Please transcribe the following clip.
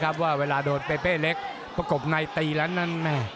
เพราะว่าเวลาโดดเปเปเล็กประกบในตีและนั้น